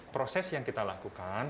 proses yang kita lakukan